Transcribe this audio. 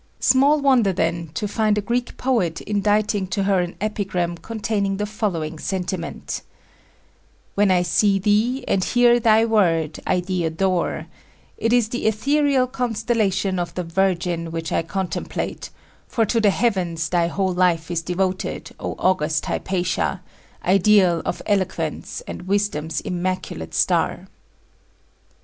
Small wonder, then, to find a Greek poet inditing to her an epigram containing the following sentiment: "When I see thee and hear thy word I thee adore; it is the ethereal constellation of the Virgin, which I contemplate, for to the heavens thy whole life is devoted, O august Hypatia, ideal of eloquence and wisdom's immaculate star."